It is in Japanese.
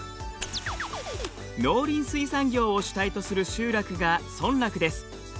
農林水産業を主体とする集落が村落です。